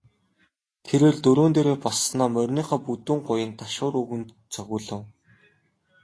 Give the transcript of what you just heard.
Тэрээр дөрөөн дээрээ боссоноо мориныхоо бүдүүн гуянд ташуур өгөн цогиулав.